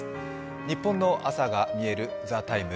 ニッポンの朝がみえる「ＴＨＥＴＩＭＥ，」。